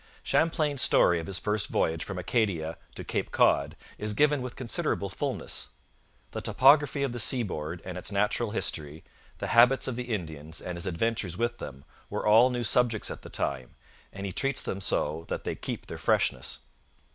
Champlain's story of his first voyage from Acadia to Cape Cod is given with considerable fulness. The topography of the seaboard and its natural history, the habits of the Indians and his adventures with them, were all new subjects at the time, and he treats them so that they keep their freshness.